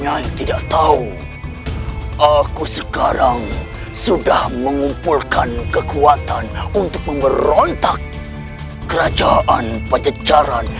nyali tidak tahu aku sekarang sudah mengumpulkan kekuatan untuk memberontak kerajaan pencecaran